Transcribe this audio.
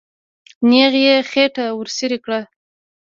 تیغ یې خېټه ورڅېړې کړه.